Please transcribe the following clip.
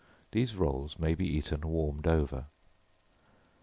These rolls may be eaten warmed over.